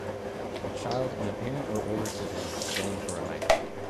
A child and a parent or older sibling going for a hike